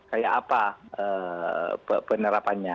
kayak apa penerapannya